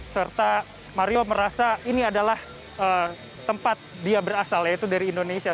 serta mario merasa ini adalah tempat dia berasal yaitu dari indonesia